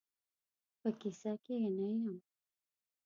په کیسه کې یې نه یم.